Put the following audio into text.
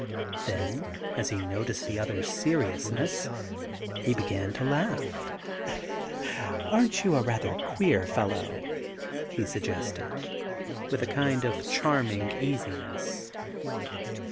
Then as he noticed the other's seriousness he began to laugh. ' Aren't you a rather queer fellow ?' he suggested with a kind of charming easiness.